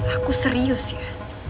aku serius ya